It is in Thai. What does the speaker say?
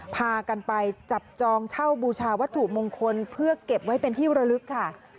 พากันไปจับจองเช่าบูชาวัตถุมงคลเพื่อเก็บไว้เป็นที่ระลึกค่ะ